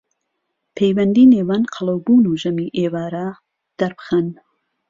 پەیوەندی نێوان قەڵەوبوون و ژەمی ئێوارە دەربخەن